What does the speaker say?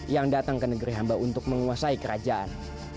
yang datang ke negeri hamba untuk menguasai kerajaan